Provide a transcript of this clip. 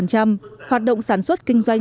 hoạt động sản xuất kinh doanh